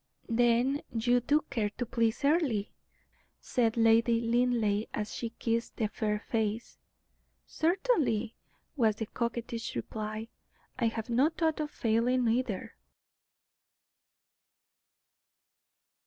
"Then you do care to please Earle?" said Lady Linleigh, as she kissed the fair face. "Certainly," was the coquettish reply. "I have no thought of failing, either."